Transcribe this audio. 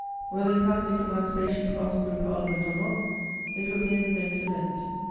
Whether Catholic Emancipation pass through Parliament or not, it will be an immense event.